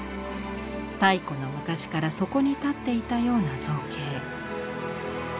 太古の昔からそこに立っていたような造形。